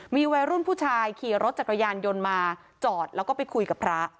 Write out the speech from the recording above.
มีวัยรุ่นผู้ชายขี่รถจักรยานยนต์มาจอดแล้วก็ไปคุยกับพระ